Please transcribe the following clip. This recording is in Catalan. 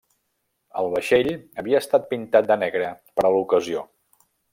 El vaixell havia estat pintat de negre per a l'ocasió.